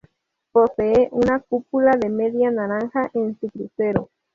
Posee una cúpula de media naranja en su crucero.